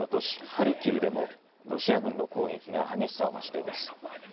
ハルキウでもロシア軍の攻撃が激しさを増しています。